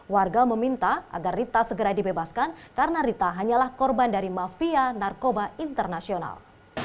warga meminta agar rita segera dibebaskan karena rita hanyalah korban dari mafia narkoba internasional